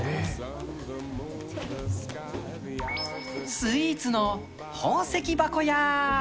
スイーツの宝石箱やー。